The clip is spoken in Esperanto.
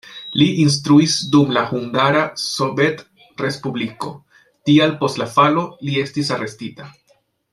Li instruis dum la Hungara Sovetrespubliko, tial post la falo li estis arestita.